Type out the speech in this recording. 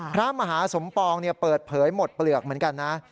พระมหาสมปองเปิดเผยหมดเปลือกเหมือนกันนะ